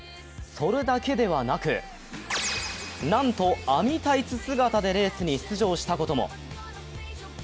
それだけではなくなんと、網タイツ姿でレースに出場したことも。